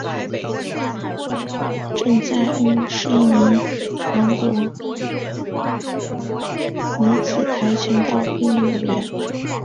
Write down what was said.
郑在恩是一名韩国女子跆拳道运动员。